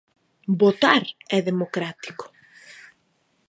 Votar é democrático.